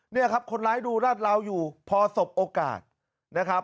เนี่ยครับคนร้ายดูราดราวอยู่พอสบโอกาสนะครับ